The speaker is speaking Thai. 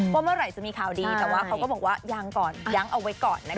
ว่าเมื่อไหร่จะมีข่าวดีแต่ว่าเขาก็บอกว่ายังก่อนยั้งเอาไว้ก่อนนะคะ